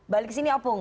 balik ke sini opung